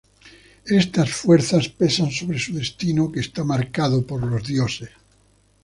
Estas fuerzas pesan sobre su destino, que está marcado por los dioses.